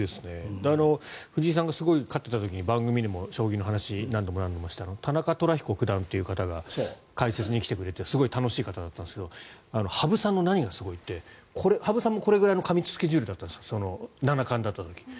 藤井さんが勝った時に番組でも将棋の話を何度もして田中寅彦九段という方が解説に来てくれてすごい楽しい方だったんですが羽生さんの何がすごいって羽生さんもこれぐらいの過密スケジュールだったんです七冠だった時に。